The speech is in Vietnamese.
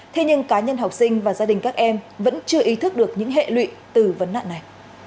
thế nhưng cá nhân học sinh và gia đình các em vẫn chưa ý thức được những hệ lụy từ vấn nạn này